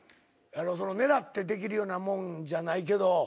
狙ってできるようなもんじゃないけど。